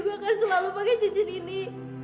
gue akan selalu pakai cincin ini